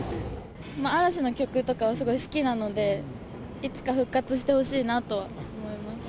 嵐の曲とかはすごい好きなので、いつか復活してほしいなとは思います。